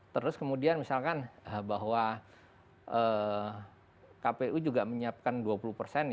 terus kemudian misalkan bahwa kpu juga menyiapkan dua puluh persen